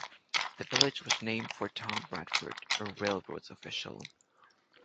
The village was named for Tom Bradford, a railroad official.